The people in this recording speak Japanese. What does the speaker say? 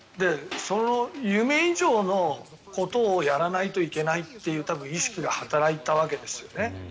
その夢以上のことをやらないといけないという意識が働いたわけですよね。